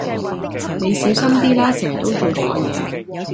你小心啲啦成日都做錯嘢